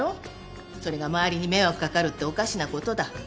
それが周りに迷惑かかるっておかしなことだ。